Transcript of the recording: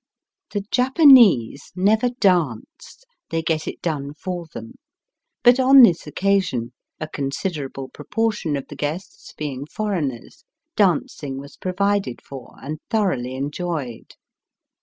The Japanese never dance — they get it done for them. But on this occasion, a considerable proportion of the guests being foreigners, dancing was provided for and thoroughly enjoyed.